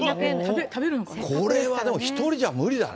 これはもう１人じゃ無理だね。